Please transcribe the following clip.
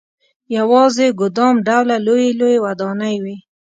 یوازې ګدام ډوله لويې لويې ودانۍ وې.